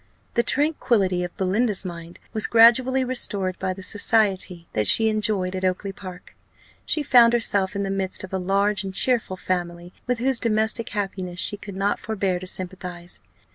The tranquillity of Belinda's mind was gradually restored by the society that she enjoyed at Oakly park. She found herself in the midst of a large and cheerful family, with whose domestic happiness she could not forbear to sympathize.